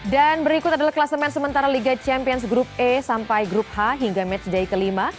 dan berikut adalah kelas temen sementara liga champions grup e sampai grup h hingga matchday kelima